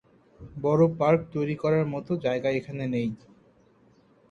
বড়ো পার্ক তৈরি করার মতো জায়গা এখানে নেই।